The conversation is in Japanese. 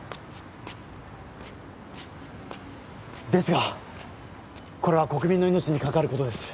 ですがこれは国民の命に関わることです